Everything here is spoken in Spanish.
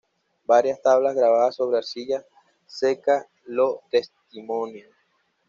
Varias tablas grabadas sobre arcilla seca lo testimonian.